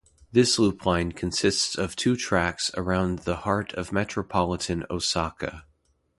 This loop line consists of two tracks around the heart of metropolitan Osaka.